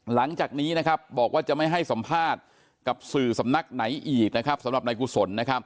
หลังจากนี้นะครับบอกว่าจะไม่ให้สัมภาษณ์กับสื่อสำนักไหนอีกนะครับสำหรับนายกุศล